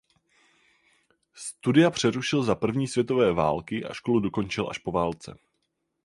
Studia přerušil za první světové války a školu dokončil až po válce.